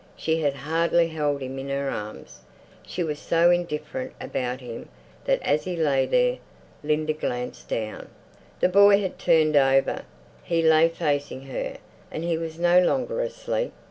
She had hardly held him in her arms. She was so indifferent about him that as he lay there... Linda glanced down. The boy had turned over. He lay facing her, and he was no longer asleep.